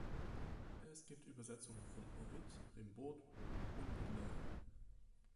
Es gibt Übersetzungen von Ovid, Rimbaud und Baudelaire.